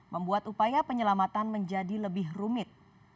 membuat upaya penyelamatan menjadi lebih rumit